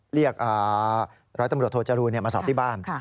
เรียกร้อยตำรวจโทจรูนมาสอบที่บ้าน